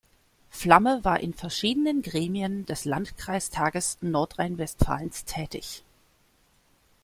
Flamme war in verschiedenen Gremien des Landkreistages Nordrhein-Westfalens tätig.